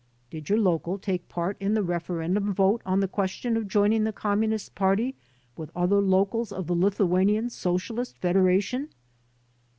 "Did your local take part in the referendum vote on the question of joining the G)mmunist Party with other locals of &e Lithuanian Socialist Federation?"